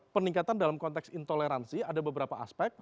peningkatan dalam konteks intoleransi ada beberapa aspek